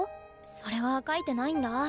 それは書いてないんだ。